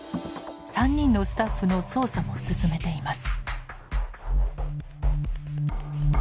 ３人のスタッフの捜査も進めています。